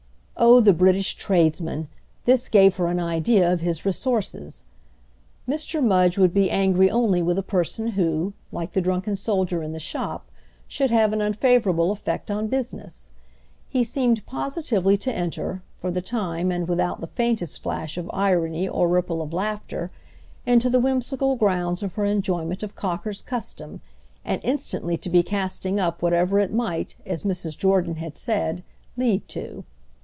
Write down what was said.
Oh the British tradesman—this gave her an idea of his resources! Mr. Mudge would be angry only with a person who, like the drunken soldier in the shop, should have an unfavourable effect on business. He seemed positively to enter, for the time and without the faintest flash of irony or ripple of laughter, into the whimsical grounds of her enjoyment of Cocker's custom, and instantly to be casting up whatever it might, as Mrs. Jordan had said, lead to.